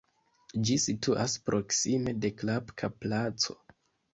Ĝi situas proksime de Klapka-Placo.